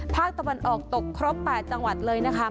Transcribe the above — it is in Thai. ภาคตะวันออกตกครบ๘จังหวัดเลยนะคะ